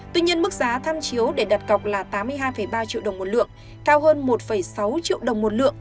tuy nhiên mức giá tham chiếu để đặt cọc là tám mươi hai ba triệu đồng một lượng cao hơn một sáu triệu đồng một lượng